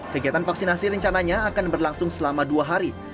kegiatan vaksinasi rencananya akan berlangsung selama dua hari